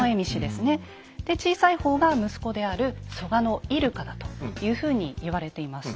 で小さい方が息子である蘇我入鹿だというふうに言われています。